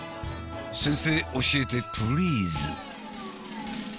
先生教えてプリーズ。